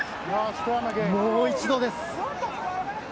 もう一度です。